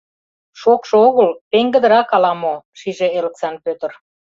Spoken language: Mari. «Шокшо огыл — пеҥгыдырак ала-мо, — шиже Элыксан Пӧтыр.